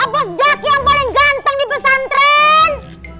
bos zaky yang paling ganteng dipesan tren